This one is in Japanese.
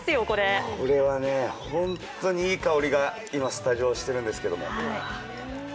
これはホントにいい香りが今スタジオしているんですけど。